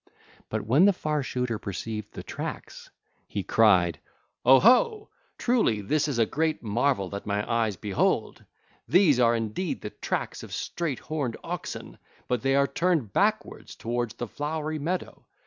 But when the Far Shooter perceived the tracks, he cried: (ll. 219 226) 'Oh, oh! Truly this is a great marvel that my eyes behold! These are indeed the tracks of straight horned oxen, but they are turned backwards towards the flowery meadow.